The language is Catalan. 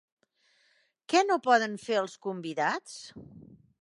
Què no poden fer els convidats?